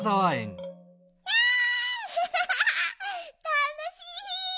たのしい！